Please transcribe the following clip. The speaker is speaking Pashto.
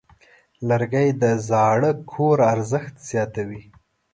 لرګی د زاړه کور ارزښت زیاتوي.